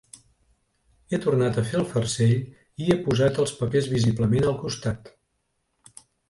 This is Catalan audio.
He tornat a fer el farcell i he posat els papers visiblement al costat.